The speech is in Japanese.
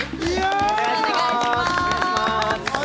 よろしくお願いします。